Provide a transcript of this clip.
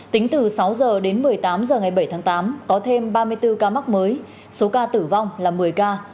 tính từ sáu h đến một mươi tám h ngày bảy tháng tám có thêm ba mươi bốn ca mắc mới số ca tử vong là một mươi ca